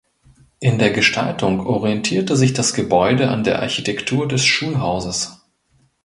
In der Gestaltung orientierte sich das Gebäude an der Architektur des Schulhauses.